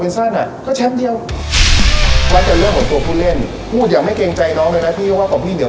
ว่าอย่างไม่เกรงใจน้องเลยนะที่ว่าของพี่เหนียวกว่าเยอะอ่ะ